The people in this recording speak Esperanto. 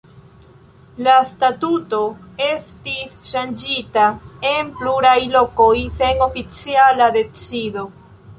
La statuto estis ŝanĝita en pluraj lokoj sen oficiala decido.